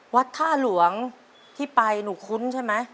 วัดท่าหลวงที่ไปหนูคุ้นใช่ไหม